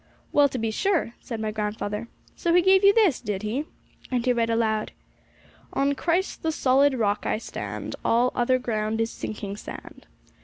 'Well, to be sure!' said my grandfather 'So he gave you this, did he?' and he read aloud: 'On Christ, the solid Rock, I stand, All other ground is sinking sand.'